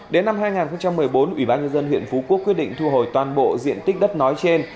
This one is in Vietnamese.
đến năm hai nghìn một mươi bốn ủy ban nhân dân huyện phú quốc quyết định thu hồi toàn bộ diện tích đất nói trên